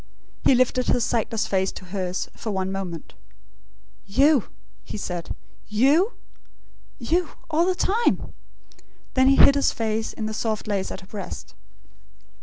He lifted his sightless face to hers, for one moment. "You?" he said. "YOU? You all the time?" Then he hid his face in the soft lace at her breast.